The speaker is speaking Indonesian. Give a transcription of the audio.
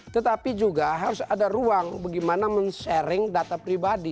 tetapi juga harus ada ruang bagaimana men sharing data pribadi